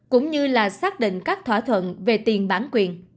cũng như là xác định các thỏa thuận về tiền bản quyền